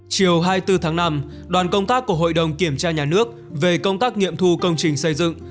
chiều hai mươi bốn tháng năm đoàn công tác của hội đồng kiểm tra nhà nước về công tác nghiệm thu công trình xây dựng